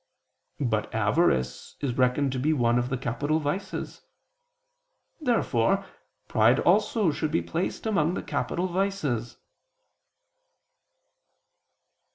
But avarice is reckoned to be one of the capital vices. Therefore pride also should be placed among the capital vices.